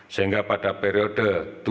sehingga pada periode tujuh belas